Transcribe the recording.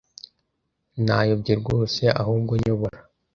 Nayobye rwose ahubwo nyobora.